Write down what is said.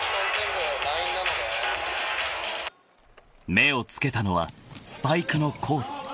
［目を付けたのはスパイクのコース］